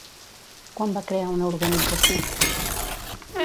Quan va crear una organització?